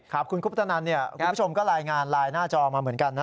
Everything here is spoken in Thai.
ครับคุณคุปตนันเนี่ยคุณผู้ชมก็รายงานไลน์หน้าจอมาเหมือนกันนะ